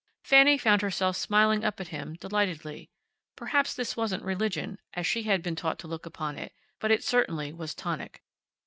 Fanny found herself smiling up at him, delightedly. Perhaps this wasn't religion, as she had been taught to look upon it, but it certainly was tonic.